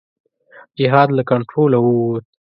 جهاد له کنټروله ووت.